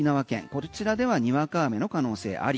こちらではにわか雨の可能性あり。